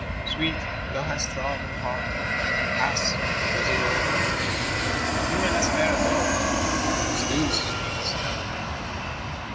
OWEET, thou hast trod on a heart, ^ Pass ! there's a world full of men ; And women as fair as thou art Must do such things now and then.